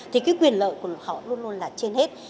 thì cái quyền lợi của họ luôn luôn là trên hết